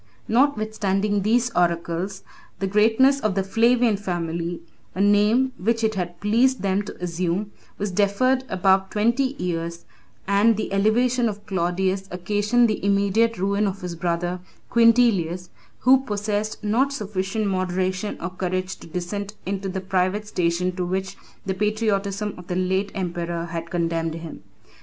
] Notwithstanding these oracles, the greatness of the Flavian family (a name which it had pleased them to assume) was deferred above twenty years, and the elevation of Claudius occasioned the immediate ruin of his brother Quintilius, who possessed not sufficient moderation or courage to descend into the private station to which the patriotism of the late emperor had condemned him.